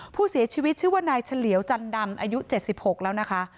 ผู้เสียชีวิตชื่อว่านายเฉลียวจันดำอายุ๗๖แล้วนะคะ